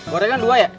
gorengan dua ya